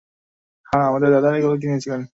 হ্যাঁ, আমার দাদা এগুলো কিনেছিলেন।